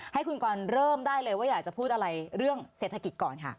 ให้คุณกรเริ่มได้เลยว่าอยากจะพูดอะไรเรื่องเศรษฐกิจก่อนค่ะ